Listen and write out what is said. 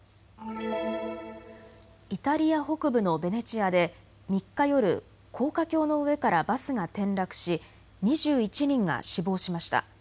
イタリア北部のベネチアで３日夜、高架橋の上からバスが転落し２１人が死亡しました。